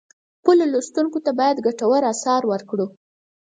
خپلو لوستونکو ته باید ګټور آثار ورکړو.